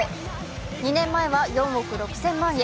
２年前は４億６０００万円。